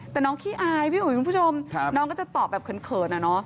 แต่น้องขี้อายพี่บอกว่าน้องก็จะตอบแบบเขินน่ะ